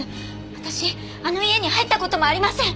私あの家に入った事もありません。